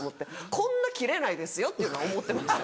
こんなキレないですよっていうのは思ってました。